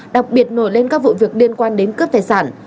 đặc biệt nổi lên các vụ việc liên quan đến cướp tài sản